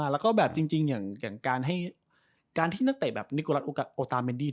แล้วก็แบบจริงอย่างการที่นักเตะนิโกรัตโอตาเมดี้